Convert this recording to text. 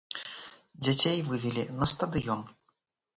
Дзяцей вывелі на стадыён.